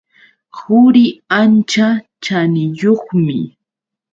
Quri ancha chaniyuqmi.